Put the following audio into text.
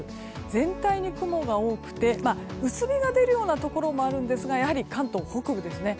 全体に雲が多くて薄日が出るようなところもあるんですがやはり関東北部ですね